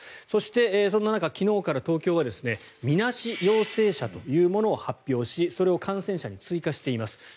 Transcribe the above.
そして、そんな中昨日から東京はみなし陽性者というものを発表しそれを感染者に追加しています。